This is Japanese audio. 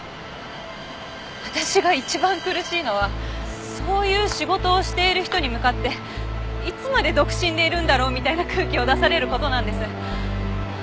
私が一番苦しいのはそういう仕事をしている人に向かっていつまで独身でいるんだろうみたいな空気を出される事なんです。